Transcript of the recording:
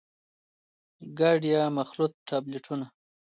ګډ يا مخلوط ټابليټونه: